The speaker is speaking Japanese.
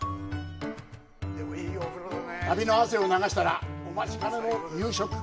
旅の汗を流したら、お待ちかねの夕食。